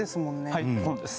はい本です